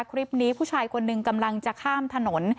คลิปนี้ผู้ชายคนหนึ่งกำลังจะข้ามถนน